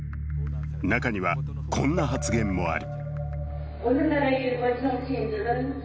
中には、こんな発言もある。